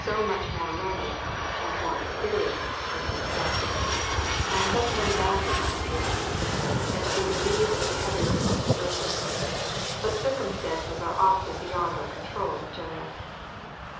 U3 so much more learned and more experienced than myself, — and such men abound in Austria, — and to be relieved of the heavy responsibility ; but circumstances are often beyond our control, general."